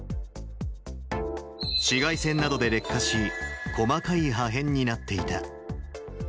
紫外線などで劣化し、細かい破片になっていた。